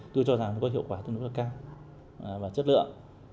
tôi cho rằng nó có hiệu quả tương đối cao và chất lượng